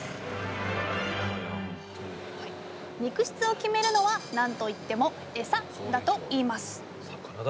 肉質を決めるのは何と言ってもエサだといいます。